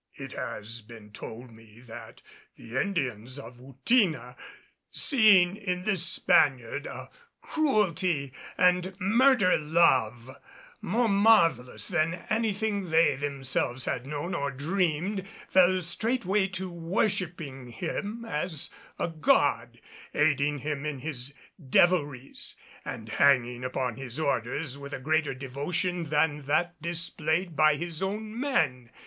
It has been told me that the Indians of Outina, seeing in this Spaniard a cruelty and murder love more marvelous than anything they themselves had known or dreamed, fell straightway to worshiping him as a god, aiding him in his devilries and hanging upon his orders with a greater devotion than that displayed by his own men.